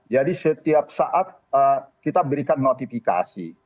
jadi setiap saat kita berikan notifikasi